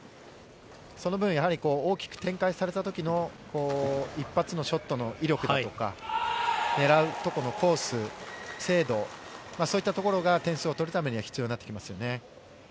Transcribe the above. その分、大きく展開されたときの一発のショットの威力というか、狙う所のコース、精度、そういったところが点数を取るためには必要になってきますね。